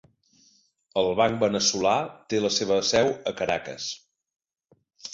El banc veneçolà té la seva seu a Caracas.